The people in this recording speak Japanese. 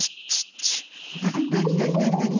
何何何何？